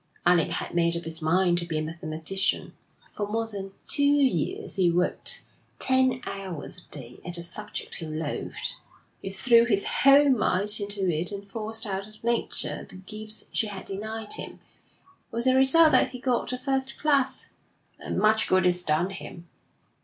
Alec had made up his mind to be a mathematician. For more than two years he worked ten hours a day at a subject he loathed; he threw his whole might into it and forced out of nature the gifts she had denied him, with the result that he got a first class. And much good it's done him.'